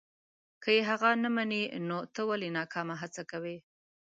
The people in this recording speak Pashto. که یې هغه نه مني نو ته ولې ناکامه هڅه کوې.